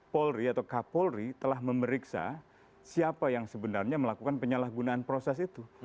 polri atau kapolri telah memeriksa siapa yang sebenarnya melakukan penyalahgunaan proses itu